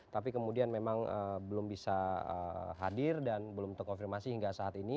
tapi kemudian memang belum bisa hadir dan belum terkonfirmasi hingga saat ini